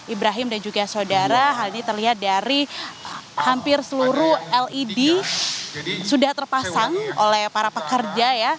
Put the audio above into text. ibrahim dan juga saudara hal ini terlihat dari hampir seluruh led sudah terpasang oleh para pekerja ya